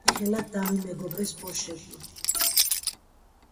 მე ხელად დამიმეგობრეს ბოშებმა